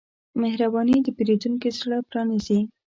مهرباني د پیرودونکي زړه پرانیزي.